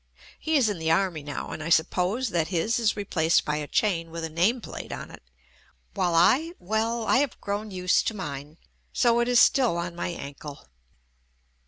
He is in the army now, and I sup pose that his is replaced by a chain with a name plate on it, while I — well, I have grown used to mine so it is still on my ankle.